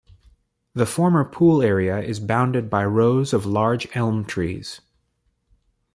The former pool area is bounded by rows of large elm trees.